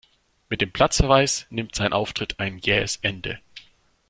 Mit dem Platzverweis nimmt sein Auftritt ein jähes Ende.